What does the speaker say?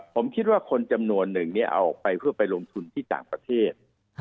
ผมคิดว่าคนจำนวนหนึ่งเอาออกไปเพื่อไปลงทุนที่ต่างประเทศ